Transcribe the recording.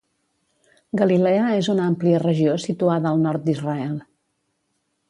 Galilea és una àmplia regió situada al nord d'Israel.